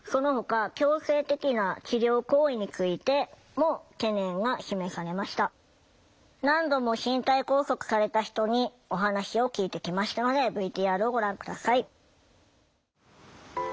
今回の勧告では何度も身体拘束された人にお話を聞いてきましたのでＶＴＲをご覧下さい。